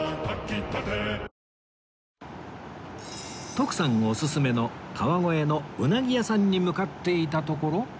徳さんオススメの川越のうなぎ屋さんに向かっていたところ